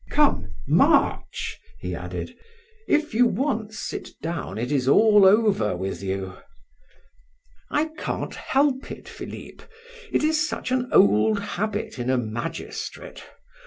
"Come, march!" he added. "If you once sit down, it is all over with you." "I can't help it, Philip! It is such an old habit in a magistrate!